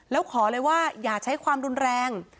แล้วขอเลยว่าอย่าใช้ความรุนแรง